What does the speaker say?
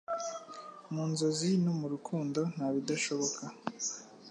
Mu nzozi no mu rukundo nta bidashoboka.”